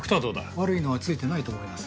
悪いのはついてないと思います。